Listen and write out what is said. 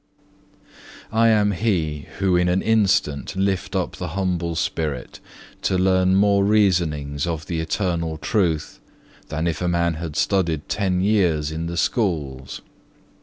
3. "I am He who in an instant lift up the humble spirit, to learn more reasonings of the Eternal Truth, than if a man had studied ten years in the schools.